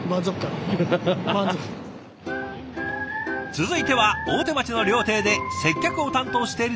続いては大手町の料亭で接客を担当しているという画伯。